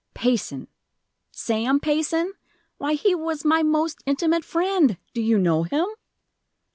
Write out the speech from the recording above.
"Payson Sam Payson? Why, he was my most intimate friend! Do you know him?"